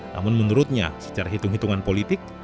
namun menurutnya secara hitung hitungan politik